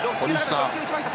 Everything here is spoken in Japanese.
直球打ちました。